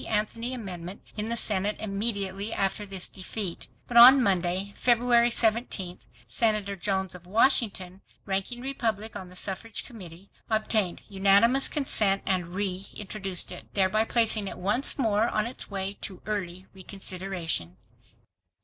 Anthony amendment in the Senate immediately after this defeat. But on Monday, February 17, Senator Jones of Washington, ranking Republican on the Suffrage Committee, obtained unanimous consent and reintroduced it, thereby placing it once more on its way to early reconsideration.